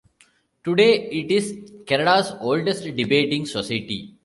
Today, it is Canada's oldest debating society.